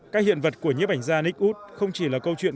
các hiện vật của nhiếp ảnh gia nick wood không chỉ là câu chuyện